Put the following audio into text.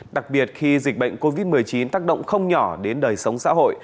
đặc biệt khi dịch bệnh covid một mươi chín tác động không nhỏ đến đời sống xã hội